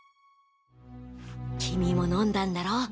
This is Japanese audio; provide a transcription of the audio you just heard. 君も飲んだんだろ？